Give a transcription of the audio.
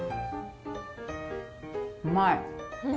うまい！